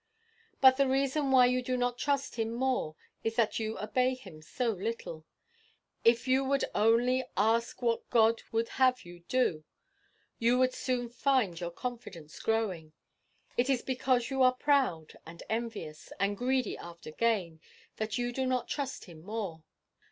"But the reason why you do not trust him more is that you obey him so little. If you would only, ask what God would have you to do, you would soon find your confidence growing. It is because you are proud, and envious, and greedy after gain, that you do not trust him more.